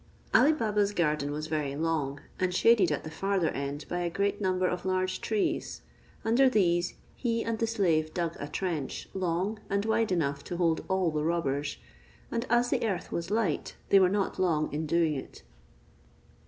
Ali Baba's garden was very long, and shaded at the farther end by a great number of large trees. Under these he and the slave dug a trench, long and wide enough to hold all the robbers, and as the earth was light, they were not long in doing it.